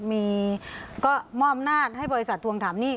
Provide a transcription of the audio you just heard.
มีก็มอบอำนาจให้บริษัททวงถามหนี้